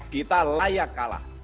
kita layak kalah